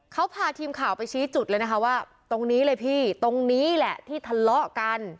เขาพาทีมข่าวไปชี้จุดเลยนะคะว่าตรงนี้เลยพี่ตรงนี้แหละที่ทะเลาะกัน